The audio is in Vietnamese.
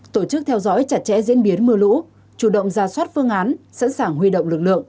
tổ chức theo dõi chặt chẽ diễn biến mưa lũ chủ động ra soát phương án sẵn sàng huy động lực lượng